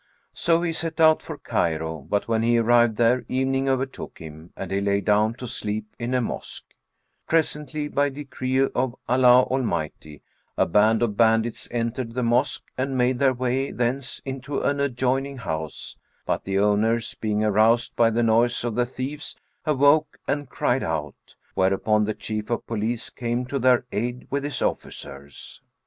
So he set out for Cairo; but when he arrived there evening overtook him and he lay down to sleep in a mosque Presently, by decree of Allah Almighty, a band of bandits entered the mosque and made their way thence into an adjoining house; but the owners, being aroused by the noise of the thieves, awoke and cried out; whereupon the Chief of Police came to their aid with his officers.